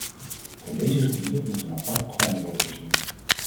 Voor deze gebieden moet een apart programma worden voorzien.